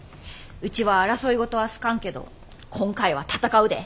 ウチは争い事は好かんけど今回は闘うで。